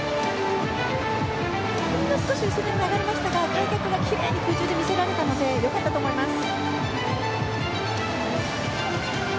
ほんの少し後ろに下がりましたが開脚がきれいに空中で見せられたので良かったと思います。